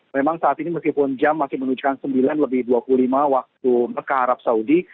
memang saat ini meskipun jam masih menunjukkan sembilan lebih dua puluh lima waktu mekah arab saudi